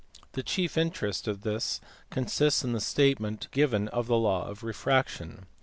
The chief interest of this consists in the statement given of the law of refraction.